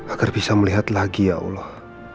agar bisa melihat lagi ya allah